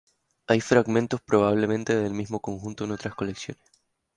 Hay fragmentos probablemente del mismo conjunto en otras colecciones.